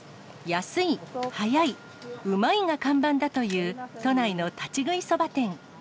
安い、早い、うまいが看板だという、都内の立ち食いそば店。